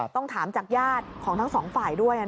ต้องถามจากญาติของทั้งสองฝ่ายด้วย